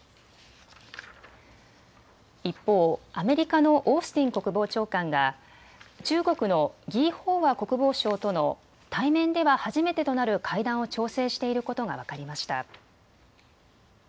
一方、アメリカのオースティン国防長官が中国の魏鳳和国防相との対面では初めてとなる会談を調整していることが分かりました。